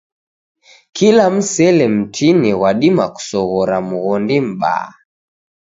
Kila msele mtini ghwadima kusoghora mghondi mbaa.